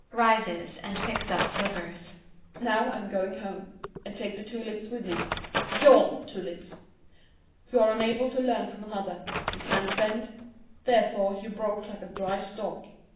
[Rises and picks up slippers.] Now I'm going home and take the tulips with me your tulips! You are unable to learn from another; you can't bend therefore, you broke like a dry stalk.